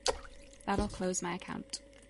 That'll close my account.